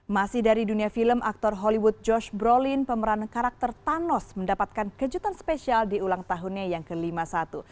masih dari dunia film aktor hollywood george brolin pemeran karakter thanos mendapatkan kejutan spesial di ulang tahunnya yang ke lima puluh satu